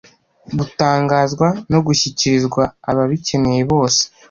gutangazwa no gushyikirizwa ababikeneye bose